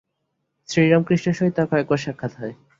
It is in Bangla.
শ্রীরামকৃষ্ণের সহিত তাঁহার কয়েকবার সাক্ষাৎ হয়।